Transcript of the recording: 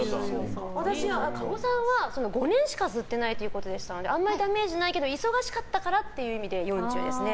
加護さんは５年しか吸ってないということでしたのであまりダメージないけど忙しかったからという意味で４０ですね。